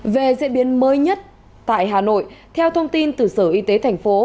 về diễn biến mới nhất tại hà nội theo thông tin từ sở y tế thành phố